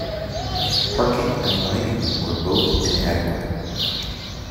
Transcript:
Parking and lighting were both inadequate.